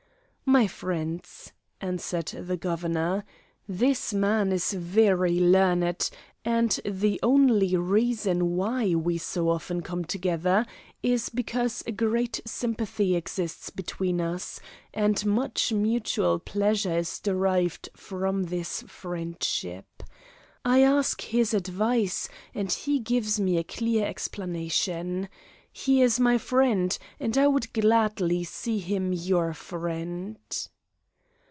"My friends," answered the Governor, "this man is very learned, and the only reason why we so often come together is because a great sympathy exists between us, and much mutual pleasure is derived from this friendship. I ask his advice, and he gives me a clear explanation. He is my friend, and I would gladly see him your friend."